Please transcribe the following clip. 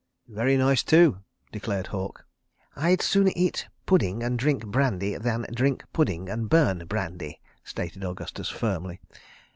..." "Very nice, too," declared Halke. "I'd sooner eat pudding and drink brandy, than drink pudding and burn brandy," stated Augustus firmly.